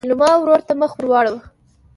لېلما ورور ته مخ واړوه.